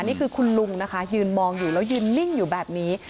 นี่คือคุณลุงนะคะยืนมองอยู่แล้วยืนนิ่งอยู่แบบนี้